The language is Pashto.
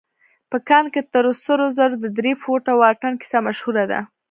په کان کې تر سرو زرو د درې فوټه واټن کيسه مشهوره ده.